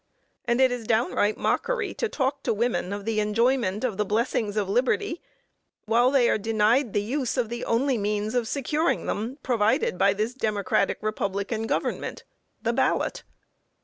And it is downright mockery to talk to women of their enjoyment of the blessings of liberty while they are denied the use of the only means of securing them provided by this democratic republican government the ballot.